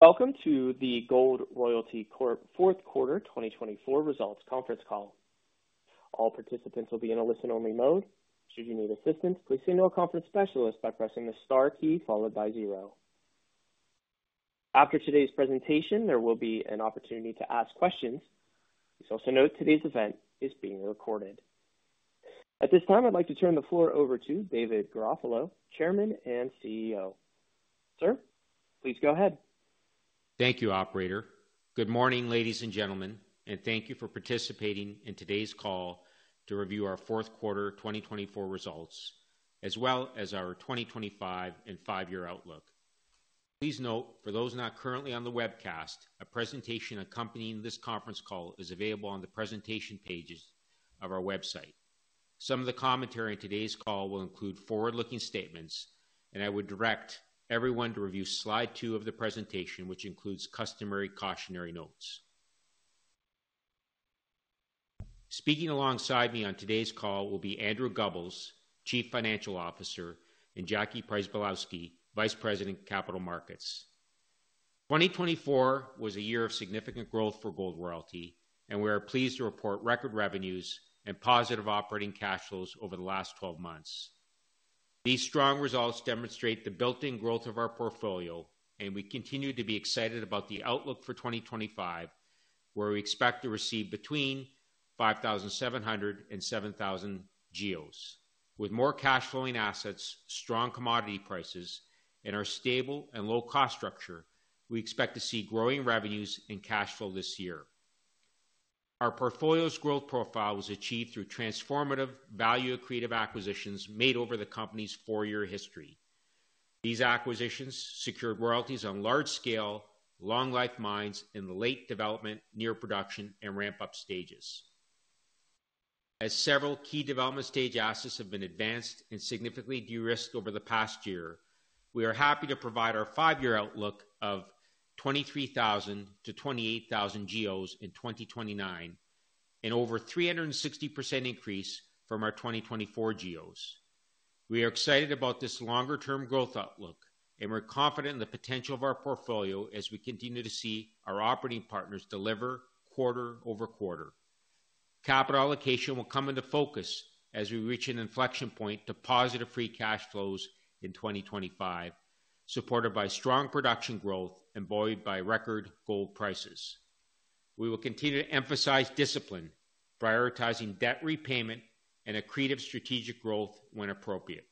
Welcome to the Gold Royalty Corp Fourth Quarter 2024 Results Conference Call. All participants will be in a listen-only mode. Should you need assistance, please signal a conference specialist by pressing the star key followed by zero. After today's presentation, there will be an opportunity to ask questions. Please also note today's event is being recorded. At this time, I'd like to turn the floor over to David Garofalo, Chairman and CEO. Sir, please go ahead. Thank you, Operator. Good morning, ladies and gentlemen, and thank you for participating in today's call to review our fourth quarter 2024 results, as well as our 2025 and five-year outlook. Please note, for those not currently on the webcast, a presentation accompanying this conference call is available on the presentation pages of our website. Some of the commentary in today's call will include forward-looking statements, and I would direct everyone to review slide two of the presentation, which includes customary cautionary notes. Speaking alongside me on today's call will be Andrew Gubbels, Chief Financial Officer, and Jackie Przybylowski, Vice President of Capital Markets. 2024 was a year of significant growth for Gold Royalty, and we are pleased to report record revenues and positive operating cash flows over the last 12 months. These strong results demonstrate the built-in growth of our portfolio, and we continue to be excited about the outlook for 2025, where we expect to receive between 5,700 and 7,000 GEOs. With more cash-flowing assets, strong commodity prices, and our stable and low-cost structure, we expect to see growing revenues and cash flow this year. Our portfolio's growth profile was achieved through transformative value-accretive acquisitions made over the company's four-year history. These acquisitions secured royalties on large-scale, long-life mines in the late development, near production, and ramp-up stages. As several key development-stage assets have been advanced and significantly de-risked over the past year, we are happy to provide our five-year outlook of 23,000-28,000 GEOs in 2029, an over 360% increase from our 2024 GEOs. We are excited about this longer-term growth outlook, and we're confident in the potential of our portfolio as we continue to see our operating partners deliver quarter over quarter. Capital allocation will come into focus as we reach an inflection point to positive free cash flows in 2025, supported by strong production growth and buoyed by record gold prices. We will continue to emphasize discipline, prioritizing debt repayment and accretive strategic growth when appropriate.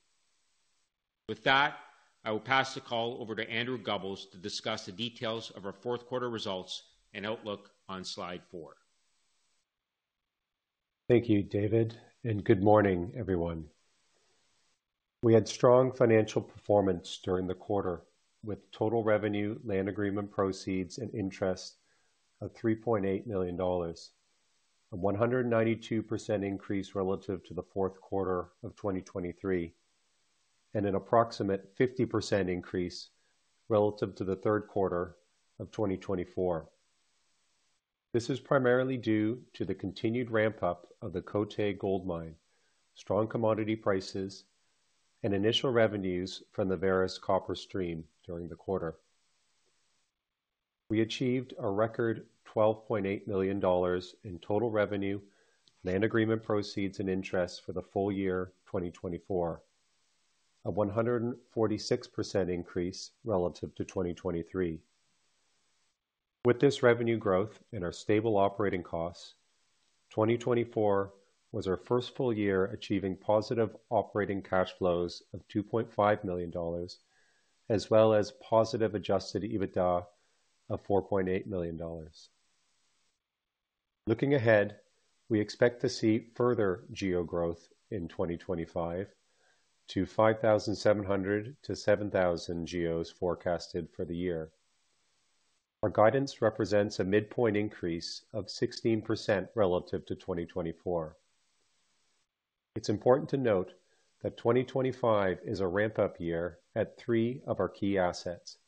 With that, I will pass the call over to Andrew Gubbels to discuss the details of our fourth quarter results and outlook on slide four. Thank you, David, and good morning, everyone. We had strong financial performance during the quarter, with total revenue, land agreement proceeds, and interest of $3.8 million, a 192% increase relative to the fourth quarter of 2023, and an approximate 50% increase relative to the third quarter of 2024. This is primarily due to the continued ramp-up of the Côté Gold Mine, strong commodity prices, and initial revenues from the Vares copper stream during the quarter. We achieved a record $12.8 million in total revenue, land agreement proceeds, and interest for the full year 2024, a 146% increase relative to 2023. With this revenue growth and our stable operating costs, 2024 was our first full year achieving positive operating cash flows of $2.5 million, as well as positive adjusted EBITDA of $4.8 million. Looking ahead, we expect to see further GEO growth in 2025 to 5,700-7,000 GEOs forecasted for the year. Our guidance represents a midpoint increase of 16% relative to 2024. It's important to note that 2025 is a ramp-up year at three of our key assets: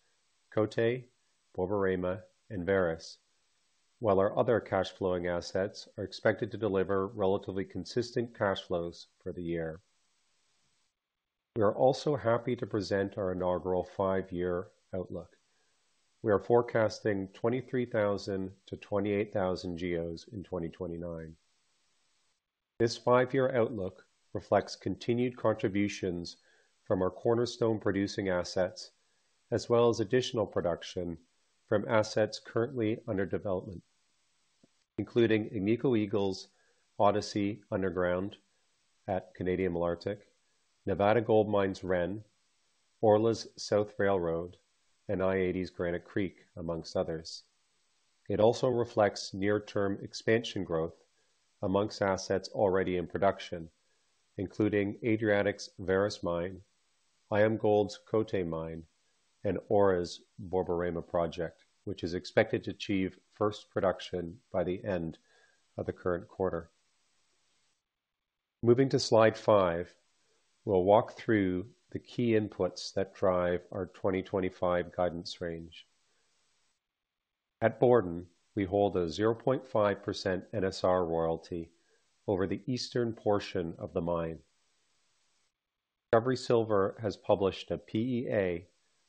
Côté, Borborema, and Vares, while our other cash-flowing assets are expected to deliver relatively consistent cash flows for the year. We are also happy to present our inaugural five-year outlook. We are forecasting 23,000-28,000 GEOs in 2029. This five-year outlook reflects continued contributions from our cornerstone producing assets, as well as additional production from assets currently under development, including Agnico Eagle's Odyssey Underground at Canadian Malartic, Nevada Gold Mines Ren, Orla Mining's South Railroad, and i-80 Gold's Granite Creek, amongst others. It also reflects near-term expansion growth amongst assets already in production, including Adriatic Metals' Vares Mine, IAMGOLD's Côté Gold Mine, and Aura Minerals Borborema Project, which is expected to achieve first production by the end of the current quarter. Moving to slide five, we'll walk through the key inputs that drive our 2025 guidance range. At Borden, we hold a 0.5% NSR royalty over the eastern portion of the mine. Discovery Silver has published a PEA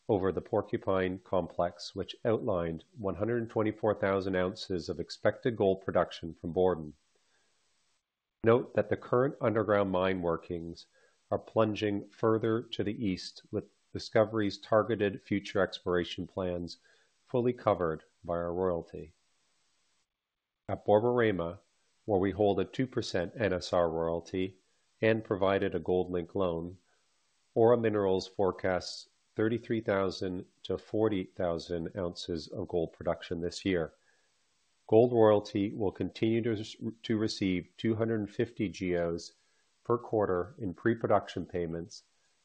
over the Porcupine Complex, which outlined 124,000 ounces of expected gold production from Borden. Note that the current underground mine workings are plunging further to the east, with Discovery Silver's targeted future exploration plans fully covered by our royalty. At Borborema, where we hold a 2% NSR royalty and provided a gold-linked loan, Aura Minerals forecasts 33,000-40,000 ounces of gold production this year. Gold Royalty will continue to receive 250 GEOs per quarter in pre-production payments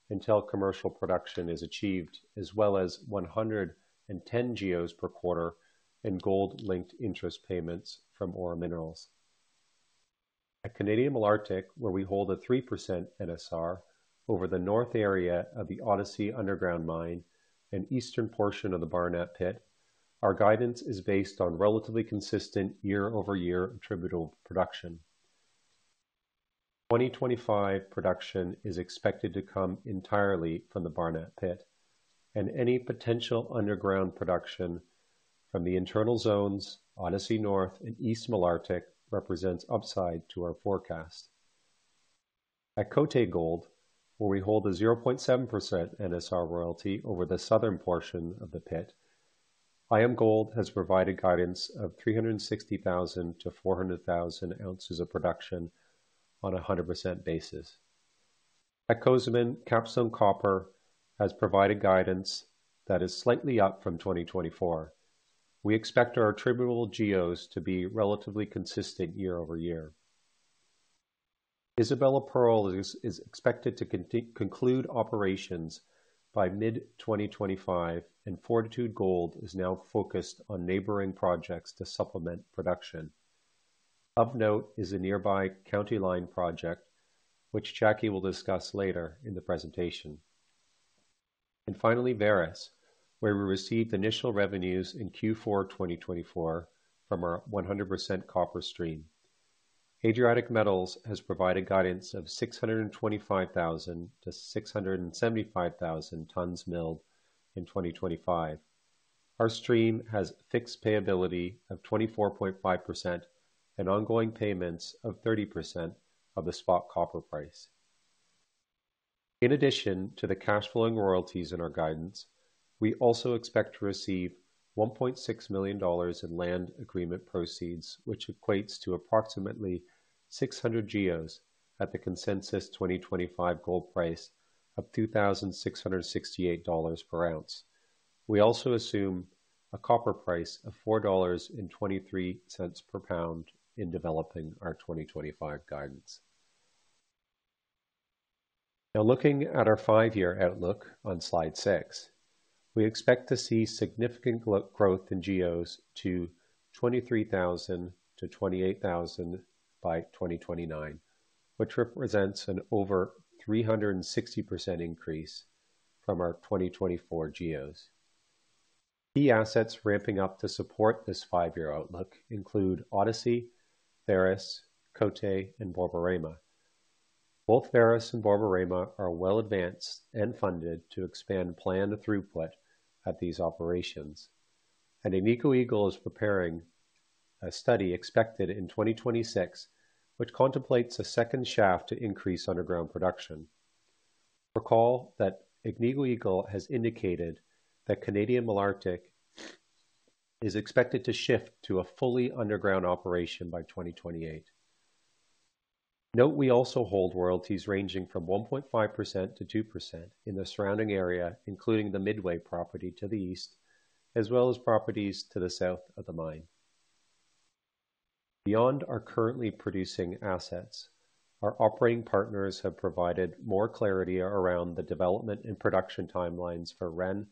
until commercial production is achieved, as well as 110 GEOs per quarter in gold-linked Interest payments from Aura Minerals. At Canadian Malartic, where we hold a 3% NSR over the north area of the Odyssey Underground Mine and eastern portion of the Barnat Pit, our guidance is based on relatively consistent year-over-year attributable production. 2025 production is expected to come entirely from the Barnat Pit, and any potential underground production from the internal zones, Odyssey North and East Malartic, represents upside to our forecast. At Côté Gold, where we hold a 0.7% NSR royalty over the southern portion of the pit, IAMGOLD has provided guidance of 360,000-400,000 ounces of production on a 100% basis. At Cozamin, Capstone Copper has provided guidance that is slightly up from 2024. We expect our attributable GEOs to be relatively consistent year-over-year. Isabella Pearl is expected to conclude operations by mid-2025, and Fortitude Gold is now focused on neighboring projects to supplement production. Of note is a nearby County Line project, which Jackie will discuss later in the presentation. Finally, Vares, where we received initial revenues in Q4 2024 from our 100% copper stream. Adriatic Metals has provided guidance of 625,000-675,000 tons milled in 2025. Our stream has fixed payability of 24.5% and ongoing payments of 30% of the spot copper price. In addition to the cash-flowing royalties in our guidance, we also expect to receive $1.6 million in land agreement proceeds, which equates to approximately 600 GEOs at the consensus 2025 gold price of $2,668 per ounce. We also assume a copper price of $4.23 per pound in developing our 2025 guidance. Now, looking at our five-year outlook on slide six, we expect to see significant growth in GEOs to 23,000-28,000 by 2029, which represents an over 360% increase from our 2024 GEOs. Key assets ramping up to support this five-year outlook include Odyssey, Vares, Côté, and Borborema. Both Vares and Borborema are well-advanced and funded to expand planned throughput at these operations. In addition, Agnico Eagle is preparing a study expected in 2026, which contemplates a second shaft to increase underground production. Recall that Agnico Eagle has indicated that Canadian Malartic is expected to shift to a fully underground operation by 2028. Note we also hold royalties ranging from 1.5%-2% in the surrounding area, including the Midway property to the east, as well as properties to the south of the mine. Beyond our currently producing assets, our operating partners have provided more clarity around the development and production timelines for Ren,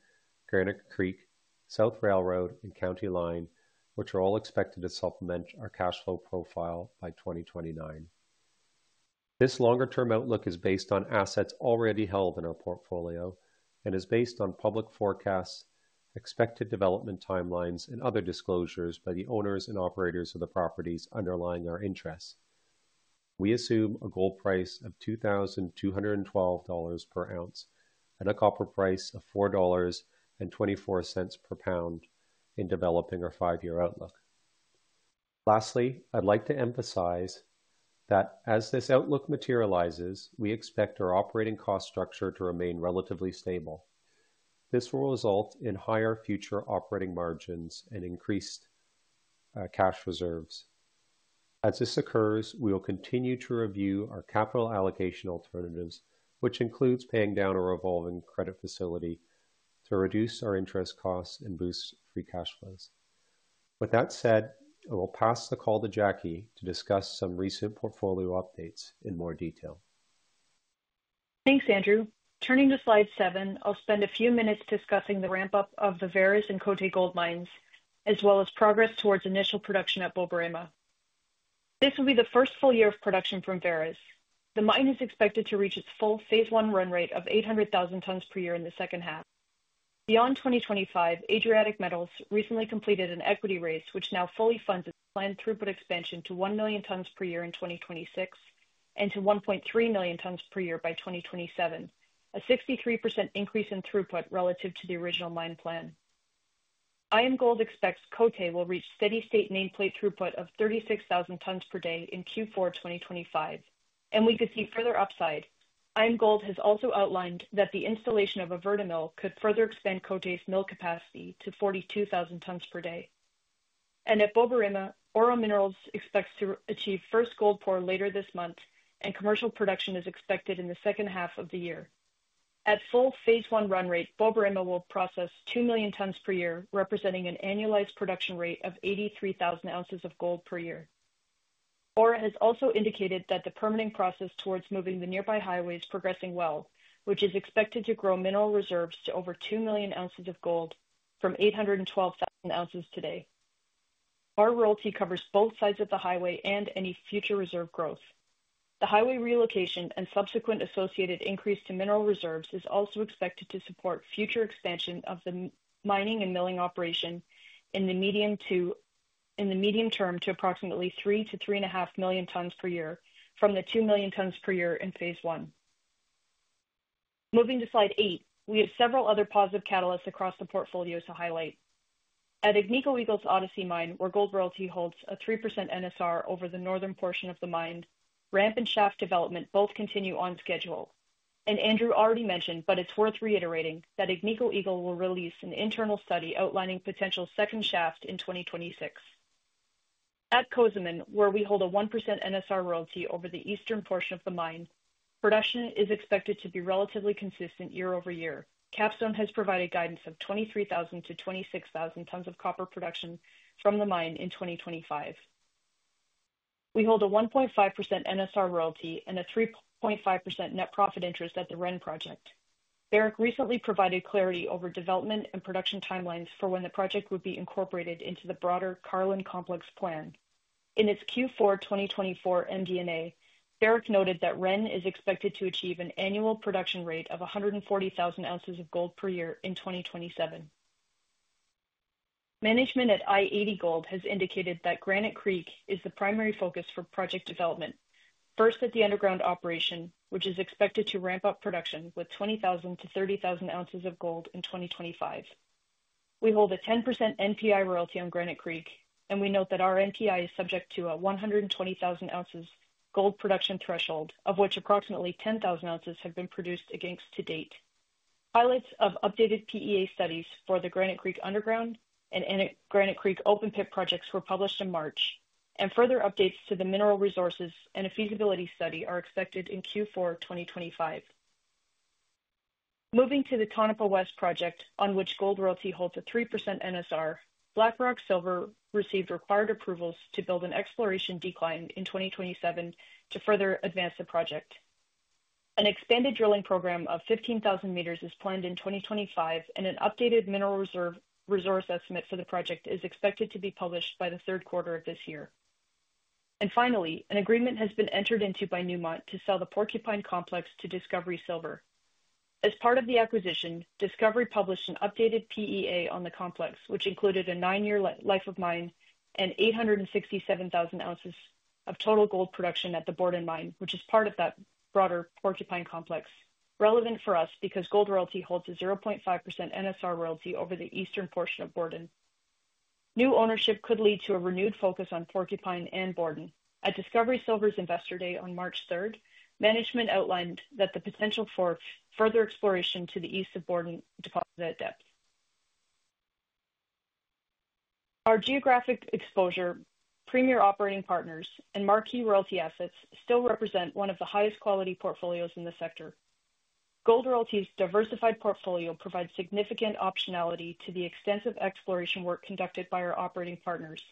Granite Creek, South Railroad, and County Line, which are all expected to supplement our cash flow profile by 2029. This longer-term outlook is based on assets already held in our portfolio and is based on public forecasts, expected development timelines, and other disclosures by the owners and operators of the properties underlying our interests. We assume a gold price of $2,212 per ounce and a copper price of $4.24 per pound in developing our five-year outlook. Lastly, I'd like to emphasize that as this outlook materializes, we expect our operating cost structure to remain relatively stable. This will result in higher future operating margins and increased cash reserves. As this occurs, we will continue to review our capital allocation alternatives, which includes paying down our evolving credit facility to reduce our interest costs and boost free cash flows. With that said, I will pass the call to Jackie to discuss some recent portfolio updates in more detail. Thanks, Andrew. Turning to slide seven, I'll spend a few minutes discussing the ramp-up of the Vares and Côté Gold Mines, as well as progress towards initial production at Borborema. This will be the first full year of production from Vares. The mine is expected to reach its full phase one run rate of 800,000 tons per year in the second half. Beyond 2025, Adriatic Metals recently completed an equity raise, which now fully funds its planned throughput expansion to 1 million tons per year in 2026 and to 1.3 million tons per year by 2027, a 63% increase in throughput relative to the original mine plan. IAMGOLD expects Cote will reach steady-state nameplate throughput of 36,000 tons per day in Q4 2025, and we could see further upside. IAMGOLD has also outlined that the installation of a Vertimill could further expand Cote's mill capacity to 42,000 tons per day. At Borborema, Aura Minerals expects to achieve first gold pour later this month, and commercial production is expected in the second half of the year. At full phase one run rate, Borborema will process 2 million tons per year, representing an annualized production rate of 83,000 ounces of gold per year. Orla has also indicated that the permitting process towards moving the nearby highway is progressing well, which is expected to grow mineral reserves to over 2 million ounces of gold from 812,000 ounces today. Our royalty covers both sides of the highway and any future reserve growth. The highway relocation and subsequent associated increase to mineral reserves is also expected to support future expansion of the mining and milling operation in the medium term to approximately 3 million-3.5 million tons per year from the 2 million tons per year in phase one. Moving to slide eight, we have several other positive catalysts across the portfolio to highlight. At Agnico Eagle's Odyssey Mine, where Gold Royalty holds a 3% NSR over the northern portion of the mine, ramp and shaft development both continue on schedule. Andrew already mentioned, but it is worth reiterating that Agnico Eagle will release an internal study outlining a potential second shaft in 2026. At Cozamin, where we hold a 1% NSR royalty over the eastern portion of the mine, production is expected to be relatively consistent year-over-year. Capstone has provided guidance of 23,000-26,000 tons of copper production from the mine in 2025. We hold a 1.5% NSR royalty and a 3.5% net profit interest at the Ren project. Barrick recently provided clarity over development and production timelines for when the project would be incorporated into the broader Carlin Complex plan. In its Q4 2024 MD&A, Barrick noted that Ren is expected to achieve an annual production rate of 140,000 ounces of gold per year in 2027. Management at i-80 Gold has indicated that Granite Creek is the primary focus for project development, first at the underground operation, which is expected to ramp up production with 20,000-30,000 ounces of gold in 2025. We hold a 10% NPI royalty on Granite Creek, and we note that our NPI is subject to a 120,000 ounces gold production threshold, of which approximately 10,000 ounces have been produced against to date. Highlights of updated PEA studies for the Granite Creek Underground and Granite Creek Open Pit projects were published in March, and further updates to the mineral resources and a feasibility study are expected in Q4 2025. Moving to the Tonopah West project, on which Gold Royalty holds a 3% NSR, Blackrock Silver received required approvals to build an exploration decline in 2027 to further advance the project. An expanded drilling program of 15,000 meters is planned in 2025, and an updated mineral resource estimate for the project is expected to be published by the third quarter of this year. Finally, an agreement has been entered into by Newmont to sell the Porcupine Complex to Discovery Silver. As part of the acquisition, Discovery published an updated PEA on the complex, which included a nine-year life of mine and 867,000 ounces of total gold production at the Borden Mine, which is part of that broader Porcupine Complex. Relevant for us because Gold Royalty holds a 0.5% NSR royalty over the eastern portion of Borden. New ownership could lead to a renewed focus on Porcupine and Borden. At Discovery Silver's investor day on March 3rd, management outlined that the potential for further exploration to the east of Borden deposit at depth. Our geographic exposure, premier operating partners, and marquee royalty assets still represent one of the highest quality portfolios in the sector. Gold Royalty's diversified portfolio provides significant optionality to the extensive exploration work conducted by our operating partners.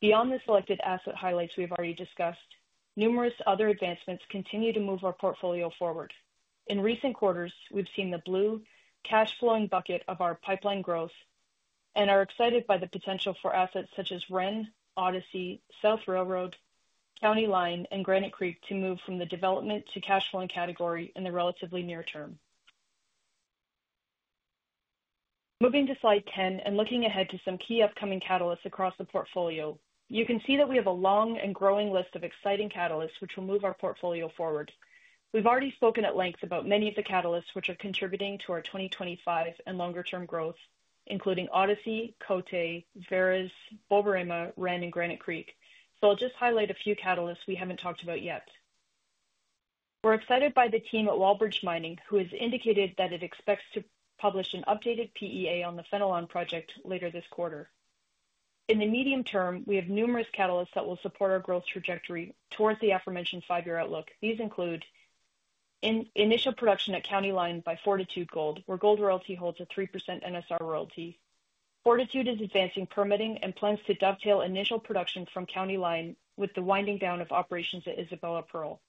Beyond the selected asset highlights we've already discussed, numerous other advancements continue to move our portfolio forward. In recent quarters, we've seen the blue cash-flowing bucket of our pipeline growth, and are excited by the potential for assets such as Ren, Odyssey, South Railroad, County Line, and Granite Creek to move from the development to cash-flowing category in the relatively near term. Moving to slide 10 and looking ahead to some key upcoming catalysts across the portfolio, you can see that we have a long and growing list of exciting catalysts which will move our portfolio forward. We've already spoken at length about many of the catalysts which are contributing to our 2025 and longer-term growth, including Odyssey, Cote, Vares, Borborema, Ren, and Granite Creek. I will just highlight a few catalysts we haven't talked about yet. We're excited by the team at Wallbridge Mining, who has indicated that it expects to publish an updated PEA on the Fennelon project later this quarter. In the medium term, we have numerous catalysts that will support our growth trajectory towards the aforementioned five-year outlook. These include initial production at County Line by Fortitude Gold, where Gold Royalty holds a 3% NSR royalty. Fortitude is advancing permitting and plans to dovetail initial production from County Line with the winding down of operations at Isabella Pearl.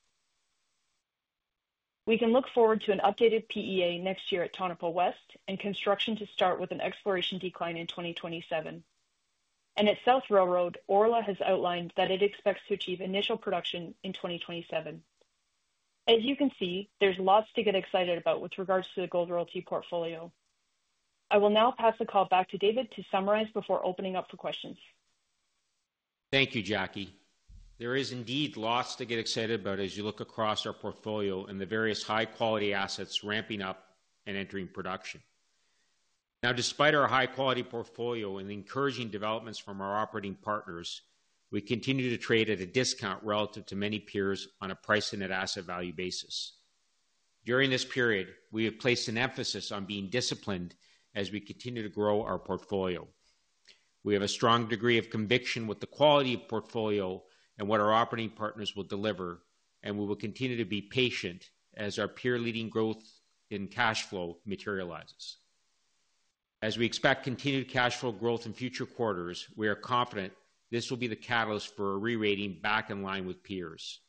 We can look forward to an updated PEA next year at Tonopah West and construction to start with an exploration decline in 2027. At South Railroad, Orla has outlined that it expects to achieve initial production in 2027. As you can see, there's lots to get excited about with regards to the Gold Royalty portfolio. I will now pass the call back to David to summarize before opening up for questions. Thank you, Jackie. There is indeed lots to get excited about as you look across our portfolio and the various high-quality assets ramping up and entering production. Now, despite our high-quality portfolio and encouraging developments from our operating partners, we continue to trade at a discount relative to many peers on a price-to-net asset value basis. During this period, we have placed an emphasis on being disciplined as we continue to grow our portfolio. We have a strong degree of conviction with the quality of portfolio and what our operating partners will deliver, and we will continue to be patient as our peer-leading growth in cash flow materializes. As we expect continued cash flow growth in future quarters, we are confident this will be the catalyst for a re-rating back in line with peers.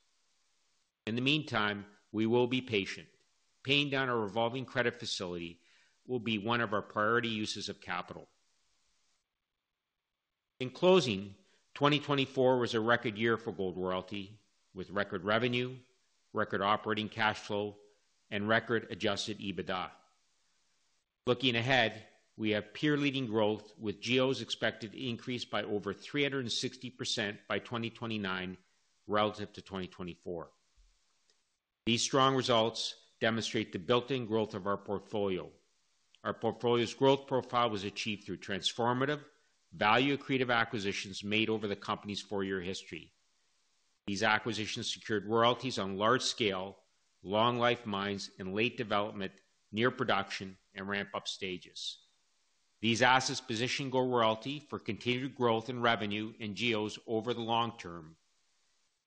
In the meantime, we will be patient. Paying down our revolving credit facility will be one of our priority uses of capital. In closing, 2024 was a record year for Gold Royalty with record revenue, record operating cash flow, and record adjusted EBITDA. Looking ahead, we have peer-leading growth with GEOs expected increase by over 360% by 2029 relative to 2024. These strong results demonstrate the built-in growth of our portfolio. Our portfolio's growth profile was achieved through transformative, value-accretive acquisitions made over the company's four-year history. These acquisitions secured royalties on large-scale, long-life mines in late development, near production, and ramp-up stages. These assets position Gold Royalty for continued growth and revenue in GEOs over the long term,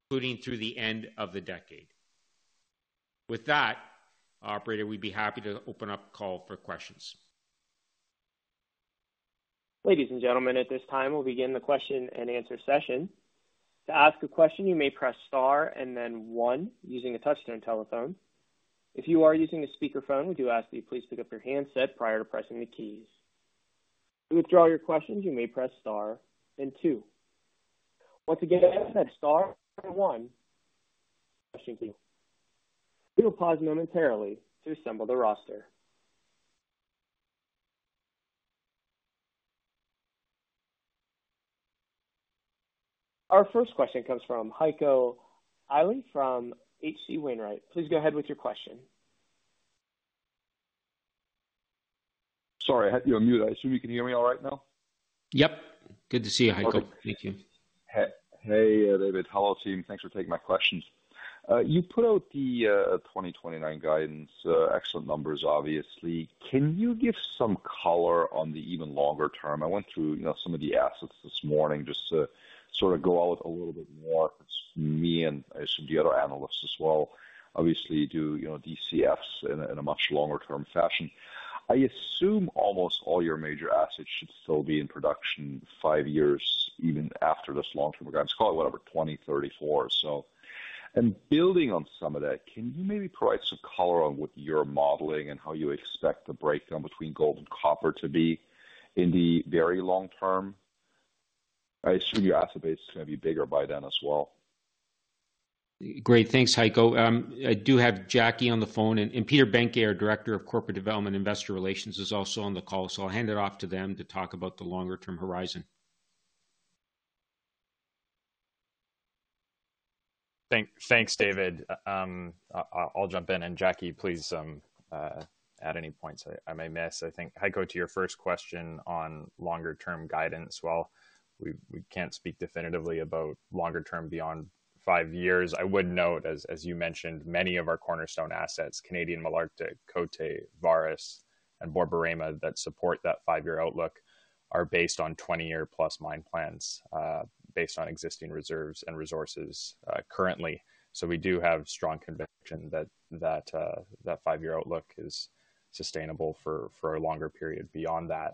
including through the end of the decade. With that, operator, we'd be happy to open up call for questions. Ladies and gentlemen, at this time, we'll begin the question and answer session. To ask a question, you may press star and then one using a touch-tone telephone. If you are using a speakerphone, we do ask that you please pick up your handset prior to pressing the keys. To withdraw your questions, you may press star and two. Once again, press star and one for question queue. We will pause momentarily to assemble the roster. Our first question comes from Heiko Ihle from HC Wainwright. Please go ahead with your question. Sorry, I had you on mute. I assume you can hear me all right now? Yep. Good to see you, Heiko. Thank you. Hey, David. Hello, team. Thanks for taking my questions. You put out the 2029 guidance, excellent numbers, obviously. Can you give some color on the even longer term? I went through some of the assets this morning just to sort of go out a little bit more. It's me and I assume the other analysts as well. Obviously, do DCFs in a much longer-term fashion. I assume almost all your major assets should still be in production five years, even after this long-term guidance. Call it whatever, 2034, so. Building on some of that, can you maybe provide some color on what you're modeling and how you expect the breakdown between gold and copper to be in the very long term? I assume your asset base is going to be bigger by then as well. Great. Thanks, Heiko. I do have Jackie on the phone, and Peter Behncke, our Director of Corporate Development and Investor Relations, is also on the call, so I'll hand it off to them to talk about the longer-term horizon. Thanks, David. I'll jump in. And Jackie, please add any points I may miss. I think, Heiko, to your first question on longer-term guidance, while we can't speak definitively about longer-term beyond five years, I would note, as you mentioned, many of our cornerstone assets, Canadian Malartic, Cote, Vares, and Borborema, that support that five-year outlook are based on 20-year-plus mine plans based on existing reserves and resources currently. We do have strong conviction that that five-year outlook is sustainable for a longer period beyond that.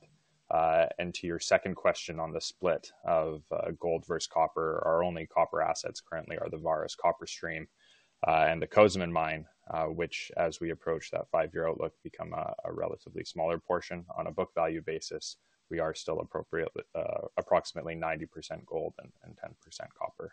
To your second question on the split of gold versus copper, our only copper assets currently are the Vares Copper Stream and the Cozamin Mine, which, as we approach that five-year outlook, become a relatively smaller portion. On a book value basis, we are still approximately 90% gold and 10% copper.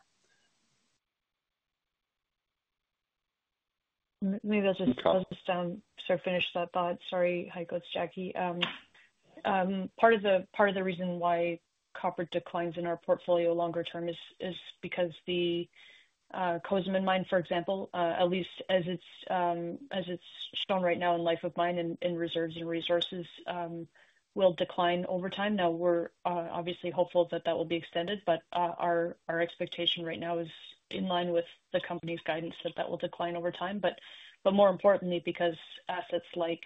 Maybe I'll just finish that thought. Sorry, Heiko, it's Jackie. Part of the reason why copper declines in our portfolio longer term is because the Cozamin Mine, for example, at least as it's shown right now in life of mine and reserves and resources, will decline over time. Now, we're obviously hopeful that that will be extended, but our expectation right now is in line with the company's guidance that that will decline over time. More importantly, because assets like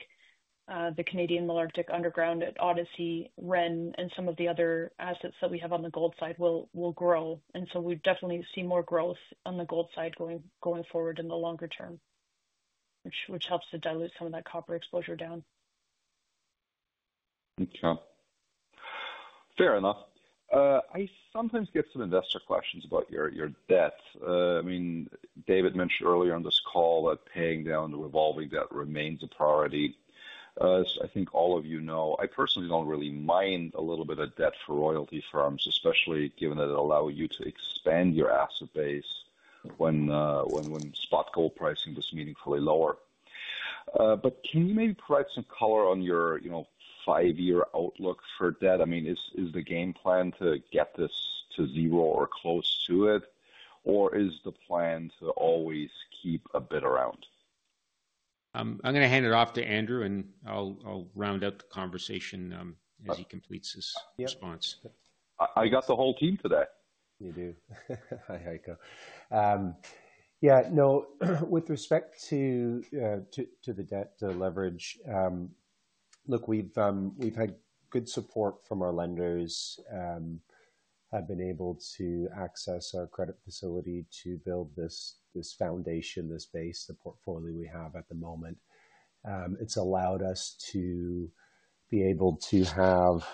the Canadian Malartic Underground, Odyssey, Ren, and some of the other assets that we have on the gold side will grow. We definitely see more growth on the gold side going forward in the longer term, which helps to dilute some of that copper exposure down. Okay. Fair enough. I sometimes get some investor questions about your debt. I mean, David mentioned earlier on this call that paying down the revolving debt remains a priority. I think all of you know I personally don't really mind a little bit of debt for royalty firms, especially given that it allowed you to expand your asset base when spot gold pricing was meaningfully lower. Can you maybe provide some color on your five-year outlook for debt? I mean, is the game plan to get this to zero or close to it, or is the plan to always keep a bit around? I'm going to hand it off to Andrew, and I'll round out the conversation as he completes his response. I got the whole team today. You do. Hi, Heiko. Yeah, no, with respect to the debt leverage, look, we've had good support from our lenders. I've been able to access our credit facility to build this foundation, this base, the portfolio we have at the moment. It's allowed us to be able to have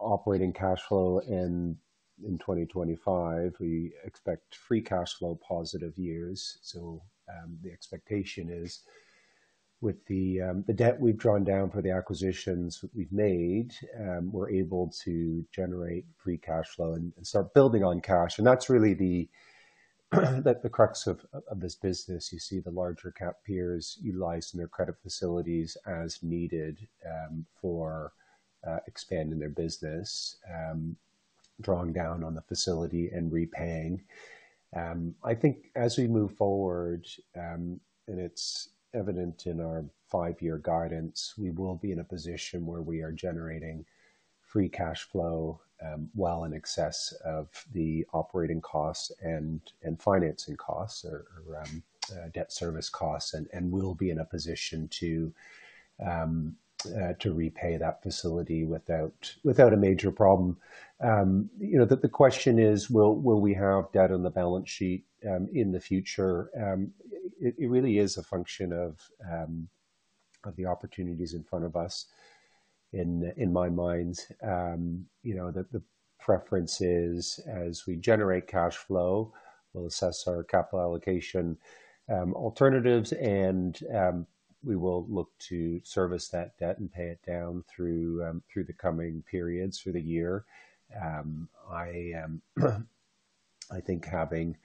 operating cash flow in 2025. We expect free cash flow positive years. The expectation is, with the debt we've drawn down for the acquisitions we've made, we're able to generate free cash flow and start building on cash. That's really the crux of this business. You see the larger cap peers utilize their credit facilities as needed for expanding their business, drawing down on the facility and repaying. I think as we move forward, and it's evident in our five-year guidance, we will be in a position where we are generating free cash flow well in excess of the operating costs and financing costs or debt service costs and will be in a position to repay that facility without a major problem. The question is, will we have debt on the balance sheet in the future? It really is a function of the opportunities in front of us. In my mind, the preference is, as we generate cash flow, we'll assess our capital allocation alternatives, and we will look to service that debt and pay it down through the coming periods for the year. I think having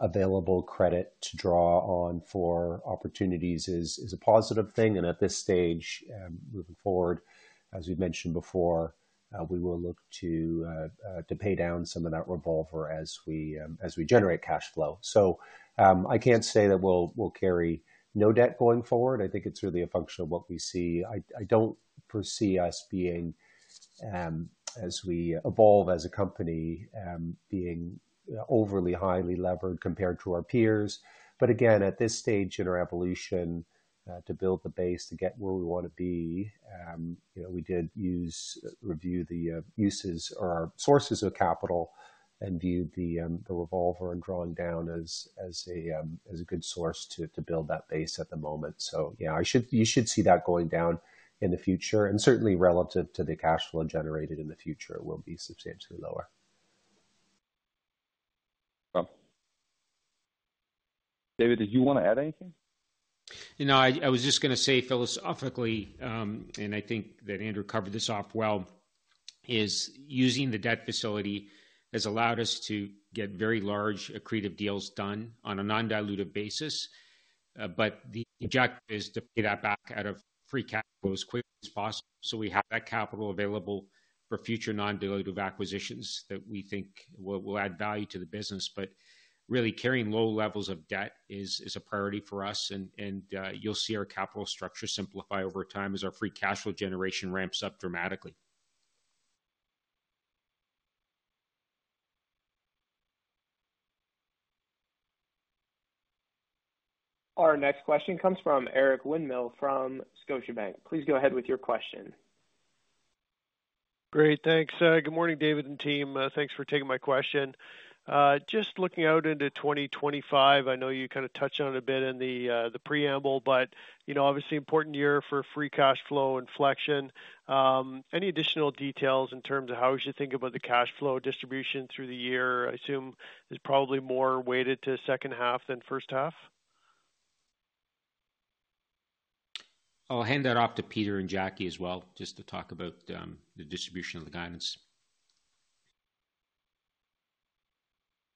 available credit to draw on for opportunities is a positive thing. At this stage, moving forward, as we've mentioned before, we will look to pay down some of that revolver as we generate cash flow. I can't say that we'll carry no debt going forward. I think it's really a function of what we see. I don't foresee us, as we evolve as a company, being overly highly levered compared to our peers. Again, at this stage in our evolution to build the base to get where we want to be, we did review the uses or our sources of capital and viewed the revolver and drawing down as a good source to build that base at the moment. You should see that going down in the future. Certainly, relative to the cash flow generated in the future, it will be substantially lower. David, did you want to add anything? No, I was just going to say philosophically, and I think that Andrew covered this off well, is using the debt facility has allowed us to get very large accretive deals done on a non-dilutive basis. The objective is to pay that back out of free cash flow as quickly as possible. We have that capital available for future non-dilutive acquisitions that we think will add value to the business. Really, carrying low levels of debt is a priority for us. You'll see our capital structure simplify over time as our free cash flow generation ramps up dramatically. Our next question comes from Eric Winmill from Scotiabank. Please go ahead with your question. Great. Thanks. Good morning, David and team. Thanks for taking my question. Just looking out into 2025, I know you kind of touched on it a bit in the preamble, but obviously important year for free cash flow inflection. Any additional details in terms of how you should think about the cash flow distribution through the year? I assume it's probably more weighted to second half than first half. I'll hand that off to Peter and Jackie as well just to talk about the distribution of the guidance.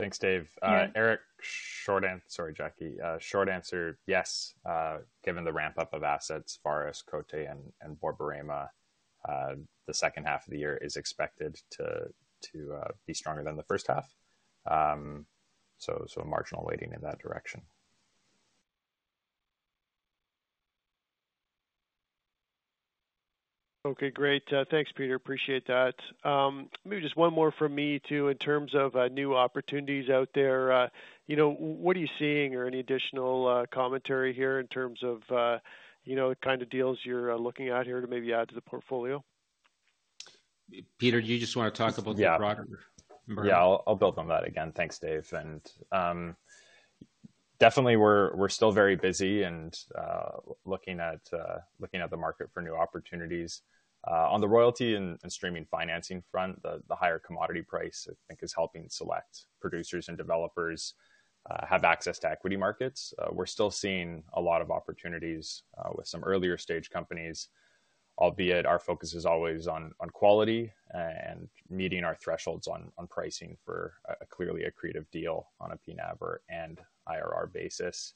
Thanks, David. All right. Eric, short answer, sorry, Jackie. Short answer, yes. Given the ramp-up of assets, Vares, Cote, and Borborema, the second half of the year is expected to be stronger than the first half. Marginal waiting in that direction. Okay, great. Thanks, Peter. Appreciate that. Maybe just one more from me too in terms of new opportunities out there. What are you seeing or any additional commentary here in terms of the kind of deals you're looking at here to maybe add to the portfolio? Peter, do you just want to talk about the broader? Yeah. Yeah, I'll build on that again. Thanks, David. Definitely, we're still very busy and looking at the market for new opportunities. On the royalty and streaming financing front, the higher commodity price, I think, is helping select producers and developers have access to equity markets. We're still seeing a lot of opportunities with some earlier-stage companies, albeit our focus is always on quality and meeting our thresholds on pricing for clearly a creative deal on a PNAV or an IRR basis.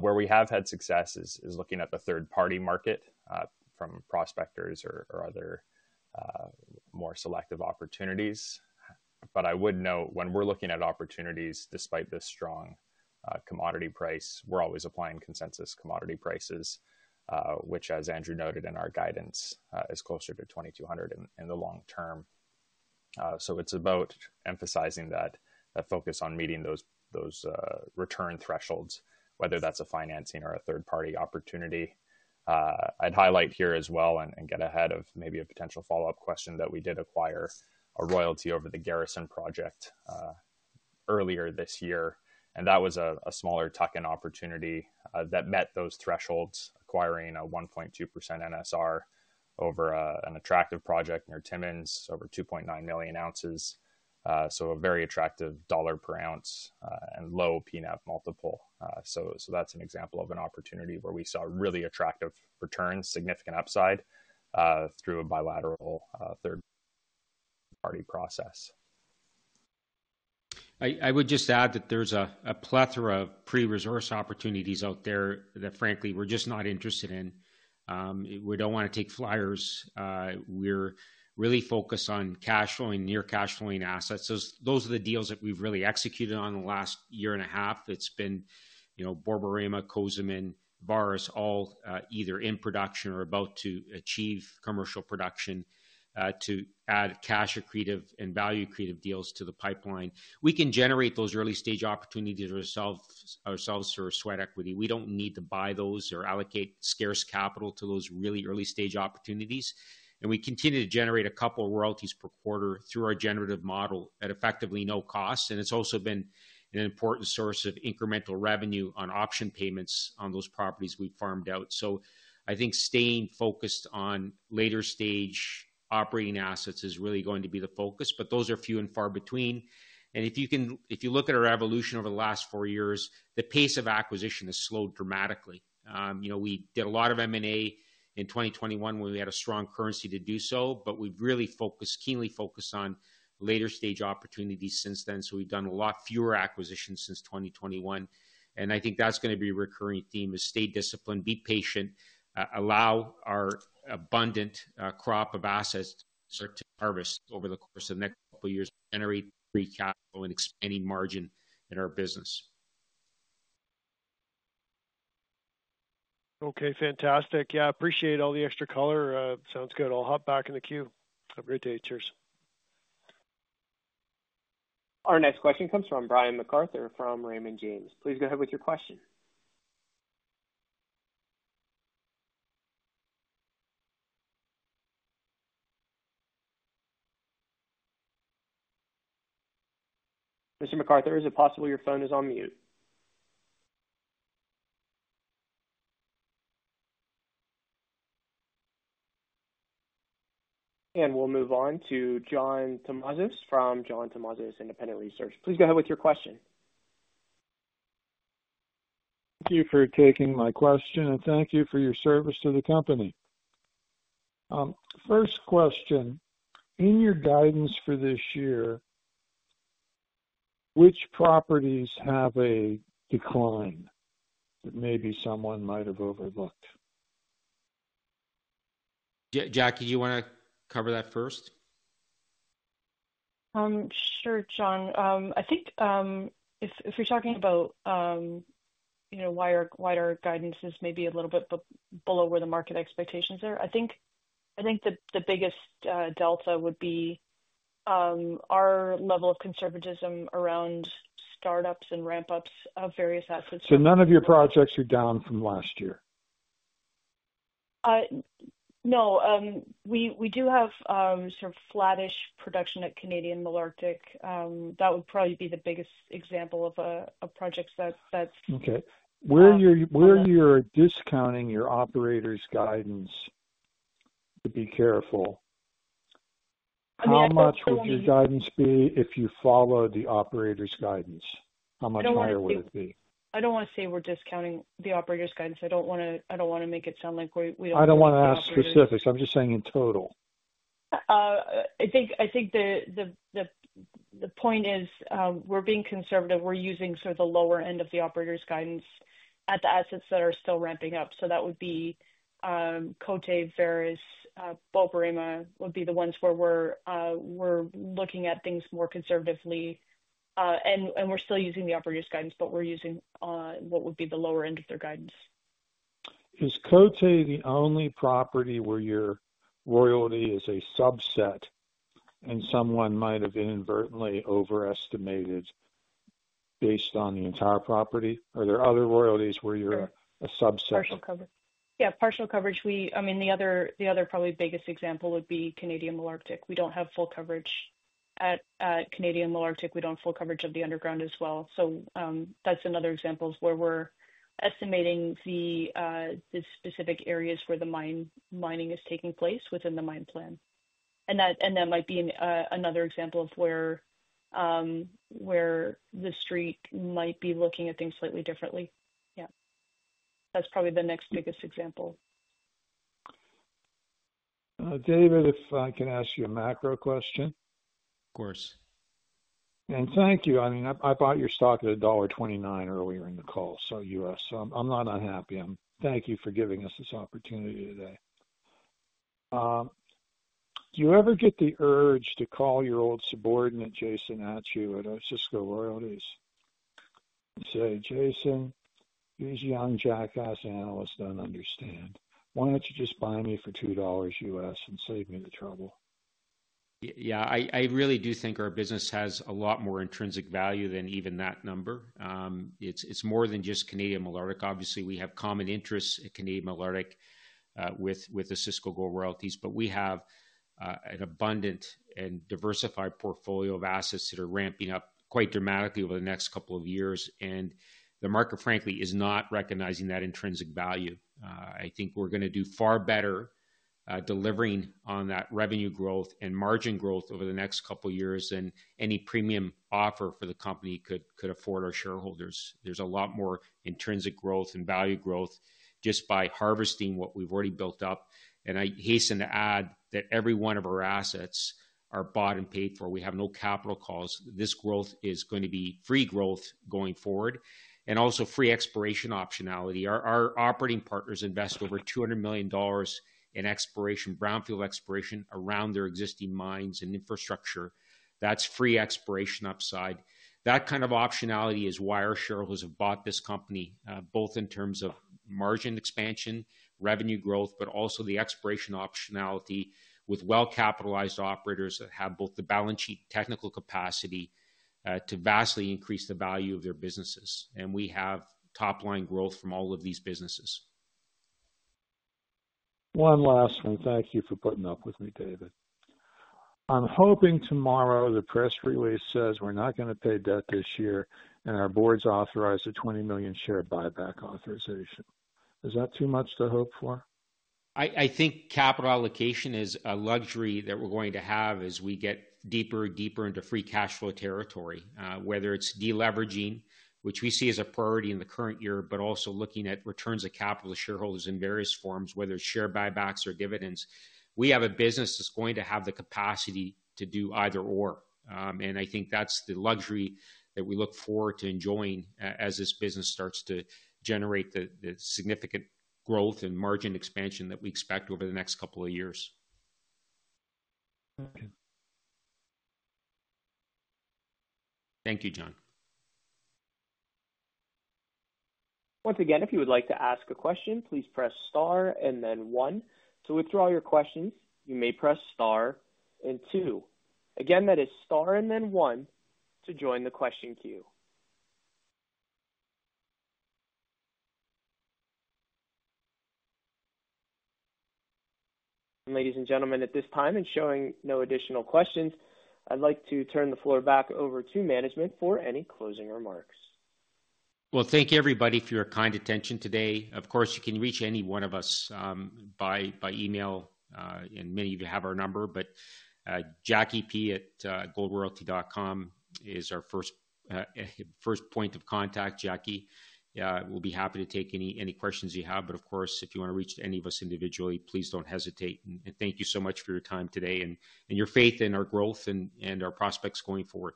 Where we have had success is looking at the third-party market from prospectors or other more selective opportunities. I would note when we're looking at opportunities, despite this strong commodity price, we're always applying consensus commodity prices, which, as Andrew noted in our guidance, is closer to $2,200 in the long term. It's about emphasizing that focus on meeting those return thresholds, whether that's a financing or a third-party opportunity. I'd highlight here as well and get ahead of maybe a potential follow-up question that we did acquire a royalty over the Garrison project earlier this year. That was a smaller tuck-in opportunity that met those thresholds, acquiring a 1.2% NSR over an attractive project near Timmins over 2.9 million ounces. A very attractive dollar per ounce and low PNAV multiple. That's an example of an opportunity where we saw really attractive returns, significant upside through a bilateral third-party process. I would just add that there's a plethora of pre-resource opportunities out there that, frankly, we're just not interested in. We don't want to take fliers. We're really focused on cash-flowing, near-cash-flowing assets. Those are the deals that we've really executed on the last year and a half. It's been Borborema, Cozamin, Vares, all either in production or about to achieve commercial production to add cash-accretive and value-accretive deals to the pipeline. We can generate those early-stage opportunities ourselves through our sweat equity. We don't need to buy those or allocate scarce capital to those really early-stage opportunities. We continue to generate a couple of royalties per quarter through our generative model at effectively no cost. It's also been an important source of incremental revenue on option payments on those properties we've farmed out. I think staying focused on later-stage operating assets is really going to be the focus, but those are few and far between. If you look at our evolution over the last four years, the pace of acquisition has slowed dramatically. We did a lot of M&A in 2021 when we had a strong currency to do so, but we've really keenly focused on later-stage opportunities since then. We've done a lot fewer acquisitions since 2021. I think that's going to be a recurring theme: stay disciplined, be patient, allow our abundant crop of assets to harvest over the course of the next couple of years to generate free capital and expanding margin in our business. Okay, fantastic. Yeah, appreciate all the extra color. Sounds good. I'll hop back in the queue. Have a great day. Cheers. Our next question comes from Brian MacArthur from Raymond James. Please go ahead with your question. Mr. McArthur, is it possible your phone is on mute? We will move on to John Tumazos from John Tumazos Independent Research. Please go ahead with your question. Thank you for taking my question, and thank you for your service to the company. First question, in your guidance for this year, which properties have a decline that maybe someone might have overlooked? Jackie, do you want to cover that first? Sure, John. I think if you're talking about wider guidances maybe a little bit below where the market expectations are, I think the biggest delta would be our level of conservatism around startups and ramp-ups of various assets. None of your projects are down from last year? No. We do have sort of flattish production at Canadian Malartic. That would probably be the biggest example of a project that. Okay. Where are you discounting your operator's guidance to be careful? How much would your guidance be if you follow the operator's guidance? How much higher would it be? I don't want to say we're discounting the operator's guidance. I don't want to make it sound like we don't have to. I don't want to ask specifics. I'm just saying in total. I think the point is we're being conservative. We're using sort of the lower end of the operator's guidance at the assets that are still ramping up. That would be Cote, Vares, Borborema would be the ones where we're looking at things more conservatively. We're still using the operator's guidance, but we're using what would be the lower end of their guidance. Is Cote the only property where your royalty is a subset and someone might have inadvertently overestimated based on the entire property? Are there other royalties where you're a subset? Yeah, partial coverage. I mean, the other probably biggest example would be Canadian Malartic. We don't have full coverage at Canadian Malartic. We don't have full coverage of the underground as well. That's another example of where we're estimating the specific areas where the mining is taking place within the mine plan. That might be another example of where the street might be looking at things slightly differently. Yeah. That's probably the next biggest example. David, if I can ask you a macro question. Of course. Thank you. I mean, I bought your stock at $1.29 earlier in the call, so I'm not unhappy. Thank you for giving us this opportunity today. Do you ever get the urge to call your old subordinate, Jason, at Franco-Nevada and say, "Jason, these young jackass analysts don't understand. Why don't you just buy me for $2 and save me the trouble? Yeah, I really do think our business has a lot more intrinsic value than even that number. It's more than just Canadian Malartic. Obviously, we have common interests at Canadian Malartic with the Osisko Gold Royalties, but we have an abundant and diversified portfolio of assets that are ramping up quite dramatically over the next couple of years. The market, frankly, is not recognizing that intrinsic value. I think we're going to do far better delivering on that revenue growth and margin growth over the next couple of years than any premium offer for the company could afford our shareholders. There's a lot more intrinsic growth and value growth just by harvesting what we've already built up. I hasten to add that every one of our assets are bought and paid for. We have no capital calls. This growth is going to be free growth going forward and also free exploration optionality. Our operating partners invest over $200 million in exploration, brownfield exploration around their existing mines and infrastructure. That's free exploration upside. That kind of optionality is why our shareholders have bought this company, both in terms of margin expansion, revenue growth, but also the exploration optionality with well-capitalized operators that have both the balance sheet and technical capacity to vastly increase the value of their businesses. We have top-line growth from all of these businesses. One last thing. Thank you for putting up with me, David. I'm hoping tomorrow the press release says we're not going to pay debt this year and our board's authorized a $20 million share buyback authorization. Is that too much to hope for? I think capital allocation is a luxury that we're going to have as we get deeper and deeper into free cash flow territory, whether it's deleveraging, which we see as a priority in the current year, but also looking at returns of capital to shareholders in various forms, whether it's share buybacks or dividends. We have a business that's going to have the capacity to do either/or. I think that's the luxury that we look forward to enjoying as this business starts to generate the significant growth and margin expansion that we expect over the next couple of years. Thank you, John. Once again, if you would like to ask a question, please press star and then one. To withdraw your questions, you may press star and two. Again, that is star and then one to join the question queue. Ladies and gentlemen, at this time, and showing no additional questions, I'd like to turn the floor back over to management for any closing remarks. Thank you, everybody, for your kind attention today. Of course, you can reach any one of us by email, and many of you have our number, but JackieP@goldroyalty.com is our first point of contact, Jackie. We will be happy to take any questions you have. Of course, if you want to reach any of us individually, please do not hesitate. Thank you so much for your time today and your faith in our growth and our prospects going forward.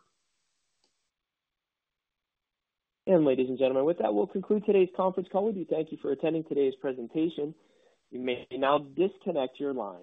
Ladies and gentlemen, with that, we'll conclude today's conference call. We do thank you for attending today's presentation. You may now disconnect your line.